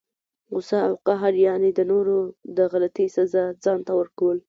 غصه او قهر، یعني د نورو د غلطۍ سزا ځانته ورکول!